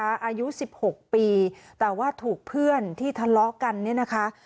อายุ๑๖ปีแต่ว่าถูกเพื่อนที่ทะเลาะกันเนี่ยนะคะ